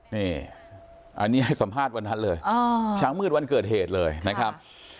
นี่อันนี้ให้สัมภาษณ์วันนั้นเลยเช้ามืดวันเกิดเหตุเลยนะครับ